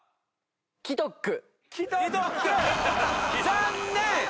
残念！